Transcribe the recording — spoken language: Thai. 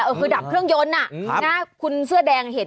เออคือดับเครื่องย้นอะอย่างนี้นะคุณเสื้อแดงเห็น